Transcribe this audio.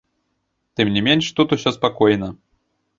Тым не менш, тут усё спакойна.